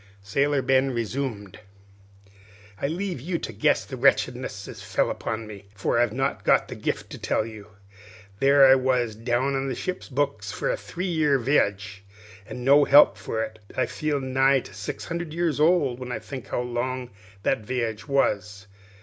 Sailor Ben resumed: "I leave you to guess the wretchedness as fell upon me, for I've not got the gift to tell you. There I was down on the ship's books for a three years' viage, an' no help for it. I feel nigh to six hundred years old when I think how long that viage was.